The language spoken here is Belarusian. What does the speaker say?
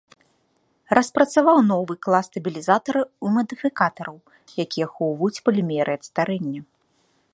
Распрацаваў новы клас стабілізатараў і мадыфікатараў, якія ахоўваюць палімеры ад старэння.